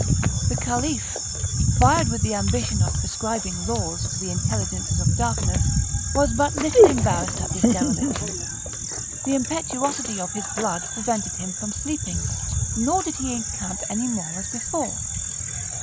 The Caliph, fired with the ambition of prescribing laws to the Intelligences of Darkness, was but little embarrassed at this dereliction; the impetuosity of his blood prevented him from sleeping, nor did he encamp any more as before.